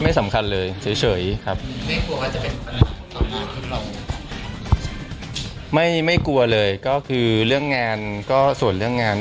ไม่กลัวเลยก็คือเรื่องงานก็ส่วนเรื่องงาน